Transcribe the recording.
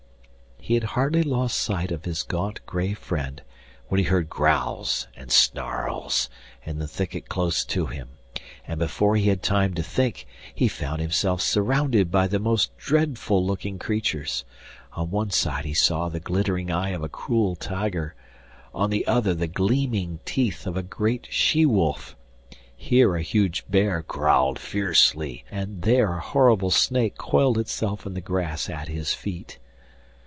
He had hardly lost sight of his gaunt grey friend when he heard growls and snarls in the thicket close to him, and before he had time to think he found himself surrounded by the most dreadful looking creatures. On one side he saw the glittering eye of a cruel tiger, on the other the gleaming teeth of a great she wolf; here a huge bear growled fiercely, and there a horrible snake coiled itself in the grass at his feet.